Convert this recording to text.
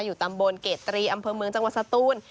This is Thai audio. อยู่ตำบลเกตรีอำเภอเมืองจังหวัดสตูน